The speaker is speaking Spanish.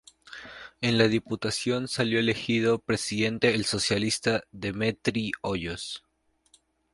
En la Diputación salió elegido presidente el socialista Demetrio Hoyos.